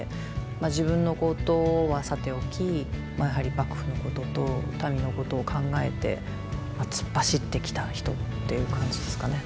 自分のことはさておきやはり幕府のことと民のことを考えて突っ走ってきた人っていう感じですかね。